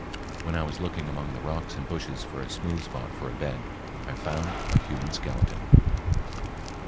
When I was looking among the rocks and bushes for a smooth spot for a bed, I found a human skeleton.